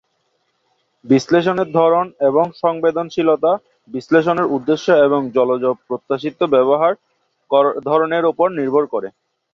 বিশ্লেষণের ধরন এবং সংবেদনশীলতা বিশ্লেষণের উদ্দেশ্য এবং জলের প্রত্যাশিত ব্যবহারের ধরনের উপর নির্ভর করে।